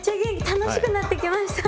楽しくなってきました！